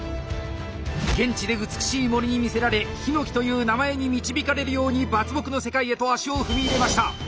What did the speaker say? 現地で美しい森に魅せられ陽樹という名前に導かれるように伐木の世界へと足を踏み入れました！